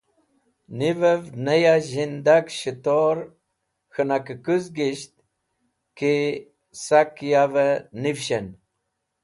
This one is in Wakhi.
Nivev ne ya zhindag shẽtor/ k̃hẽnakẽ kũzkisht ki sak yavẽ nivishẽn.